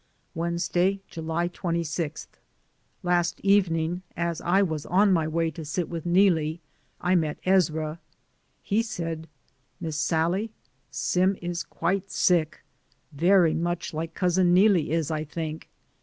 Wednesday, July 26. Last evening as I was on my way to sit with Neelie I met Ezra. He said, "Miss Sallie, Sim is quite sick; very much like Cousin Neelie is, I think.